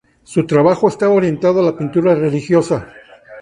Su trabajo está orientado a la pintura religiosa.